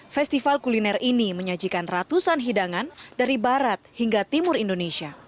festival kuliner ini menyajikan ratusan hidangan dari barat hingga timur indonesia